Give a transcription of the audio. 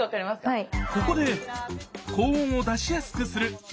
はい。